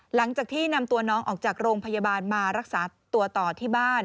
หลังจากที่นำตัวน้องออกจากโรงพยาบาลมารักษาตัวต่อที่บ้าน